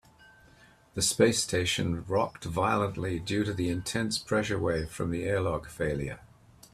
The space station rocked violently due to the intense pressure wave from the airlock failure.